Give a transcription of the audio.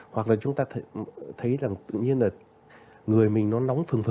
hoặc là chúng ta thấy là tự nhiên là người mình nó nóng thân thân